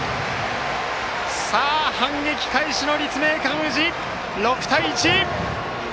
反撃開始の立命館宇治６対１。